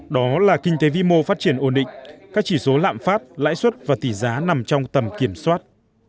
đó là kinh tế vi mô phát triển ổn định các chỉ số lạm phát lãi suất và tỷ giá nằm trong tầm kiểm soát